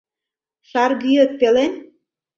Шаргӱэт пелен?